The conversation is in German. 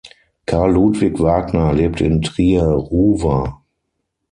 Carl-Ludwig Wagner lebte in Trier-Ruwer.